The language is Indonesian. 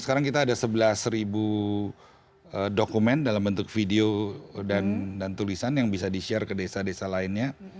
sekarang kita ada sebelas dokumen dalam bentuk video dan tulisan yang bisa di share ke desa desa lainnya